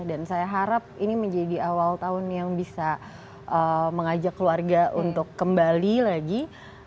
dan saya harap ini menjadi awal tahun yang bisa mengajak keluarga untuk kembali lagi